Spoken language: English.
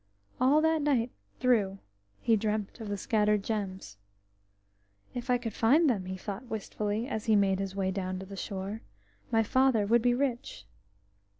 All that night through he dreamt of the scattered gems. "If I could find them," he thought wistfully, as he made his way down to the shore, "my father would be rich."